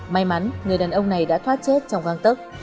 may mắn người đàn ông này đã thoát chết trong căng tấc